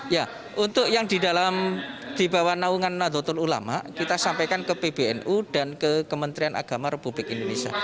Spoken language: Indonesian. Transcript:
ya untuk yang di dalam di bawah naungan nadotul ulama kita sampaikan ke pbnu dan ke kementerian agama republik indonesia